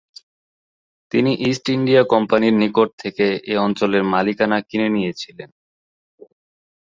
তিনি East India কোম্পানির নিকট থেকে এ অঞ্চলের মালিকানা কিনে নিয়েছিলেন।